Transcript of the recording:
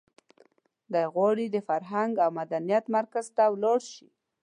دی غواړي د فرهنګ او مدنیت مرکز ته ولاړ شي.